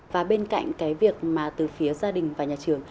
và bên cạnh cái việc mà từ phía gia đình và nhà trường